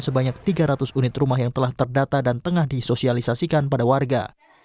sebanyak tiga ratus unit rumah yang telah terdata dan tengah disosialisasikan pada warga